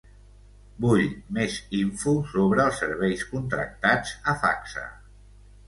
Vull més info sobre els serveis contractats a Facsa.